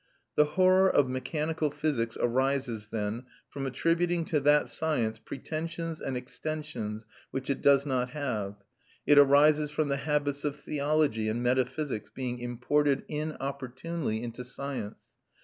The horror of mechanical physics arises, then, from attributing to that science pretensions and extensions which it does not have; it arises from the habits of theology and metaphysics being imported inopportunely into science.